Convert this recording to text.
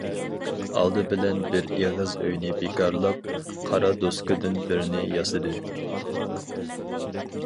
ئالدى بىلەن بىر ئېغىز ئۆيىنى بىكارلاپ، قارا دوسكىدىن بىرنى ياسىدى.